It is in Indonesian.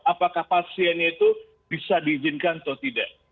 apakah pasiennya itu bisa diizinkan atau tidak